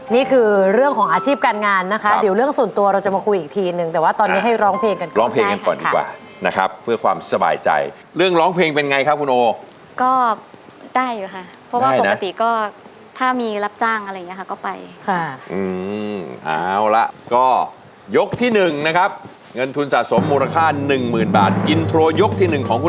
นี่คือเรื่องของอาชีพการงานนะคะเดี๋ยวเรื่องส่วนตัวเราจะมาคุยอีกทีนึงแต่ว่าตอนนี้ให้ร้องเพลงกันก่อนร้องเพลงกันก่อนดีกว่านะครับเพื่อความสบายใจเรื่องร้องเพลงเป็นไงครับคุณโอก็ได้อยู่ค่ะเพราะว่าปกติก็ถ้ามีรับจ้างอะไรอย่างเงี้ค่ะก็ไปค่ะอืมเอาละก็ยกที่หนึ่งนะครับเงินทุนสะสมมูลค่าหนึ่งหมื่นบาทอินโทรยกที่หนึ่งของคุณ